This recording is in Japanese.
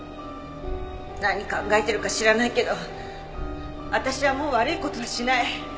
何考えてるか知らないけど私はもう悪い事はしない。